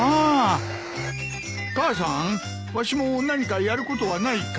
母さんわしも何かやることはないか？